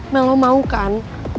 mel lo mau kan